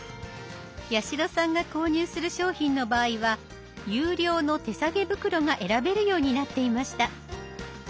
八代さんが購入する商品の場合は有料の手提げ袋が選べるようになっていました。